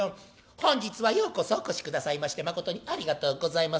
『本日はようこそお越しくださいましてまことにありがとうございます。